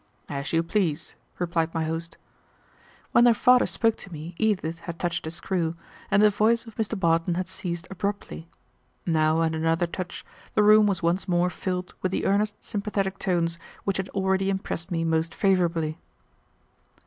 "As you please," replied my host. When her father spoke to me Edith had touched a screw, and the voice of Mr. Barton had ceased abruptly. Now at another touch the room was once more filled with the earnest sympathetic tones which had already impressed me most favorably.